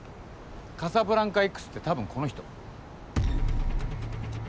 カサブランカＸって多分この人。